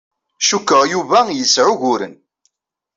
Cikkeɣ Yuba yesɛa uguren.